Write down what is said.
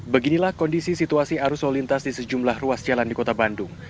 beginilah kondisi situasi arus solintas di sejumlah ruas jalan di kota bandung